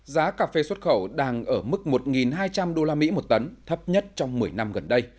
giá cà phê xuất khẩu đang ở mức một hai trăm linh usd một tấn thấp nhất trong một mươi năm gần đây